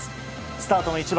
スタートの１番